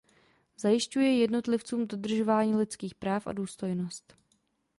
Zajišťuje jednotlivcům dodržování lidských práv a důstojnost.